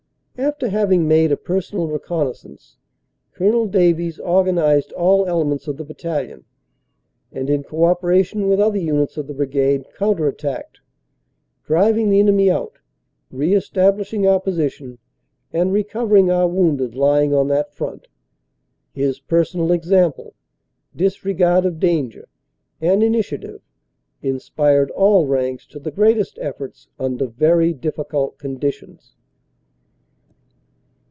After having made a personal OPERATIONS: SEPT. 28 29 243 reconnaissance, Col. Davies organized all elements of the Bat talion, and, in co operation with other units of the Brigade, counter attacked, driving the enemy out, re establishing our position and recovering our wounded lying on that front. His personal example, disregard of danger and initiative inspired all ranks to the greatest efforts under very difficult conditions.